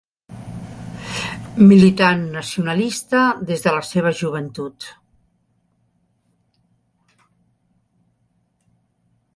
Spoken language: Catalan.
Militant nacionalista des de la seva joventut.